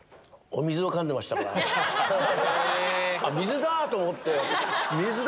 「水だ！」と思って。